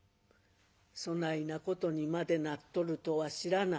「そないなことにまでなっとるとは知らなんだ。